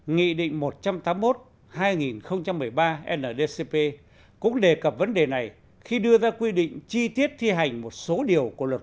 nghị định một trăm tám mươi một hai nghìn một mươi ba ndcp cũng đề cập vấn đề này khi đưa ra quy định chi tiết thiết